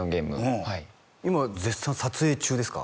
うん今絶賛撮影中ですか？